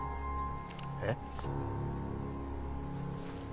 えっ？